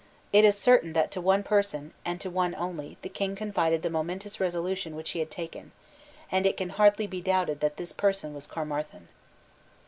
It is certain that to one person, and to one only, the King confided the momentous resolution which he had taken; and it can hardly be doubted that this person was Caermarthen.